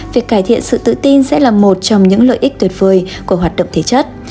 việc cải thiện sự tự tin sẽ là một trong những lợi ích tuyệt vời của hoạt động thể chất